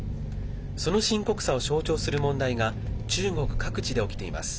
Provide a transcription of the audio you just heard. その深刻さを象徴する問題が中国各地で起きています。